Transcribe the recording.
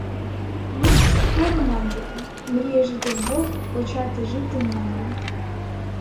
Ну, хай романтика, мрія жити вдвох, почати життя наново.